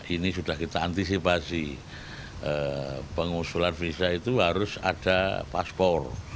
ini sudah kita antisipasi pengusulan visa itu harus ada paspor